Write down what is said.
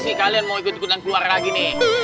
pati kalian mau ikut ikutan keluar lagi nih